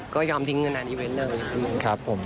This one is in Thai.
ก็ยอมทิ้งเงินอันอีเวนต์เลย